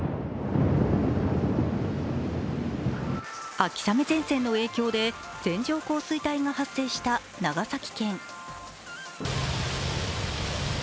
秋雨前線の影響で線状降水帯が発生した長崎県。